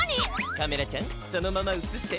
カメラちゃんそのまま映して。